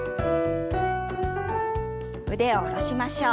腕を下ろしましょう。